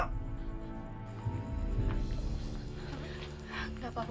gak apa apa bu